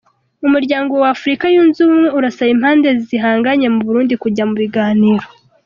umuryango w’Afrika yunze ubumwe urasaba impande zihanganye mu Burundi kujya mu biganiro